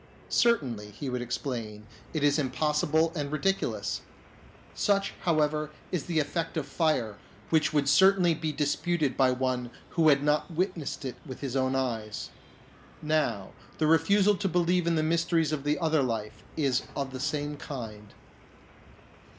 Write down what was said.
" "Certainly," he would exclaim, "it is impossible and ridiculous. " Such, however, is the effect of fire, which would certainly be disputed by one who had not witnessed it with his own eyes. Now, the refusal to believe in the mysteries of the other life is of the same kind.